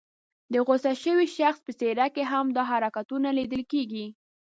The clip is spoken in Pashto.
د غوسه شوي شخص په څېره کې هم دا حرکتونه لیدل کېږي.